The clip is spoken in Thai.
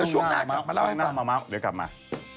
ช่วงหน้ากลับมาเล่าให้ฟังเดี๋ยวกลับมา